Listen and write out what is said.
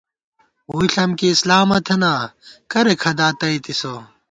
ووئی ݪم کی اسلامہ تھنا، کرېک ہَدا تَئیتِسہ